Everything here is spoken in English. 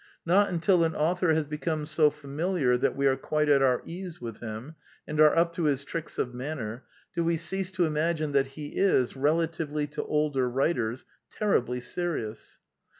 Not until an author has become so famil iar that we are quite at our ease with him, and are up to his tricks of manner, do we cease to imagine that he is, relatively to older writers, ter ribly serious.